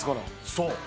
そう。